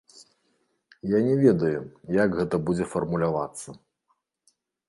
Я не ведаю, як гэта будзе фармулявацца.